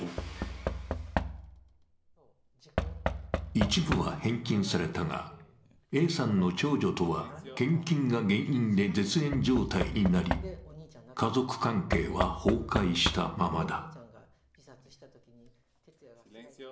一部は返金されたがＡさんの長女とは献金が原因で絶縁状態になり、家族関係は崩壊したままだ。